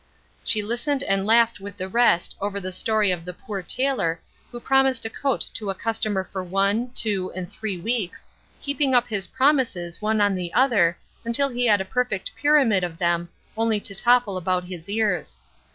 She listened and laughed with the rest over the story of the poor tailor who promised a coat to a customer for one, two and three weeks, heaping up his promises one on the other until he had a perfect pyramid of them, only to topple about his ears.